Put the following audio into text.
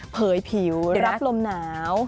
เผยผิวรับลมหนาว